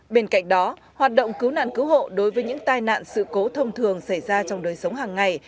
bên cạnh đó hoạt động cứu nạn cứu hộ đối với những tai nạn sự cố thông thường xảy ra trong đời sống hàng ngày